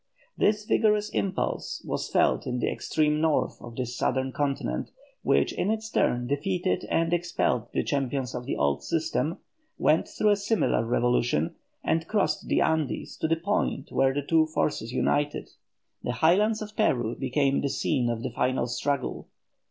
This vigorous impulse was felt in the extreme north of this southern continent, which in its turn defeated and expelled the champions of the old system, went through a similar evolution, and crossed the Andes to the point where the two forces united. The Highlands of Peru became the scene of the final struggle.